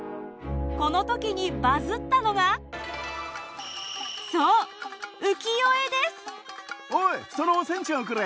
この時にバズったのがおいそのお仙ちゃんをくれ！